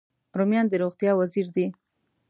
رومیان د روغتیا وزیر دی